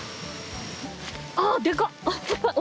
ああでかっ！